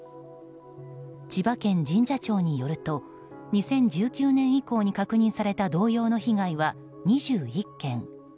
千葉県神社庁によると２０１９年以降に確認された同様の被害は２１件。